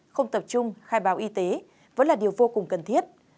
không tập trung khai báo y tế vẫn là điều vô cùng cần thiết